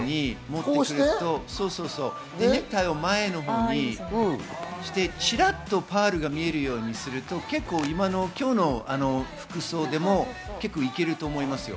ネクタイを前のほうにして、チラっとパールが見えるようにすると今日の服装でもいけると思いますよ。